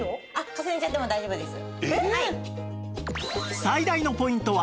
重ねちゃっても大丈夫です。